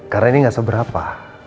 karena ini gak seberapa